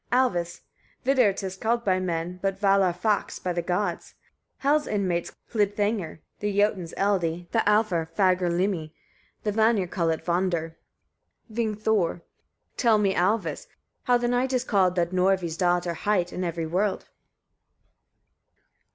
Alvis. 29. Vidr 'tis called by men, but vallarfax by the gods, Hel's inmates call it hlidthangr, the Jotuns eldi, the Alfar fagrlimi; the Vanir call it vondr. Vingthor. 30. Tell me, Alvis! etc., how the night is called, that Norvi's daughter hight, in every world.